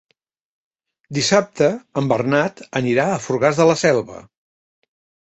Dissabte en Bernat anirà a Fogars de la Selva.